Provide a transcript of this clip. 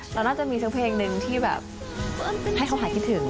เราน่าจะมีสักเพลงหนึ่งที่แบบให้เขาหายคิดถึง